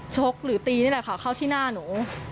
ชกหรือตีนี่แหละค่ะเข้าที่หน้าหนู